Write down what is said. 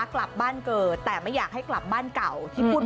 กลับบ้านเกิดแต่ไม่อยากให้กลับบ้านเก่าที่พูด